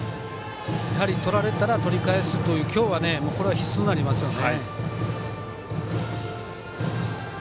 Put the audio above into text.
やはり取られたら取り返すという今日はこれは必須になりますよね。